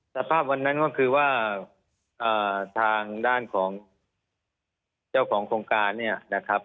สภาพวันนั้นก็คือว่าทางด้านของเจ้าของโครงการเนี่ยนะครับ